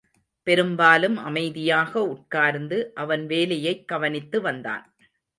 பெரும்பாலும், அமைதியாக உட்கார்ந்து, அவன் வேலையைக் கவனித்து வந்தான்.